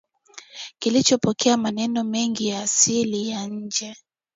kilichopokea maneno mengi ya asili ya nje